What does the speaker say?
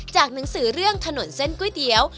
หนังสือเรื่องถนนเส้นก๋วยเตี๋ยว